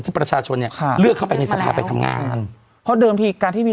ประชาชนเนี่ยค่ะเลือกเข้าไปในสภาไปทำงานเพราะเดิมทีการที่มี